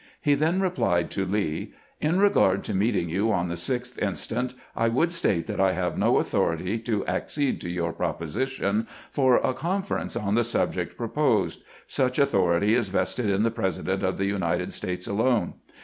He then replied to Lee :" In regard to meeting you on the 6th instant, I would state that I have no authority to accede to your proposition for a conference on the subject proposed. A VISIONARY PEACE PEOGEAM 391 Such authority is vested in the President of the United States alone.